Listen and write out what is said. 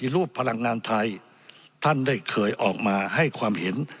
รูปพลังงานไทยท่านได้เคยออกมาให้ความเห็น